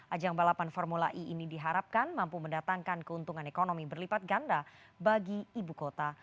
ajang balapan formula e ini diharapkan mampu mendatangkan keuntungan ekonomi berlipat ganda bagi ibu kota